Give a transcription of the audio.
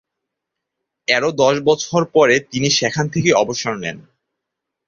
এরও দশ বছর পরে তিনি সেখান থেকেই অবসর নেন।